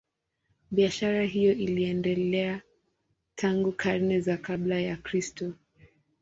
Biashara hiyo iliendelea tangu karne za kabla ya Kristo.